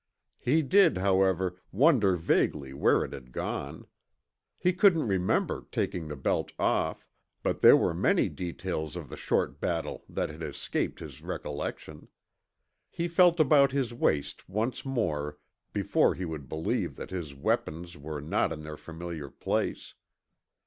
He did, however, wonder vaguely where it had gone. He couldn't remember taking the belt off, but there were many details of the short battle that had escaped his recollection. He felt about his waist once more before he would believe that his weapons were not in their familiar place.